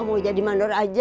mau jadi mandor aja